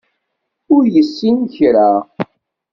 Ur yessin kra.